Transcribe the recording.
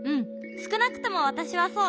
すくなくともわたしはそう。